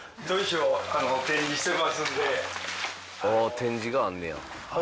展示があんねや。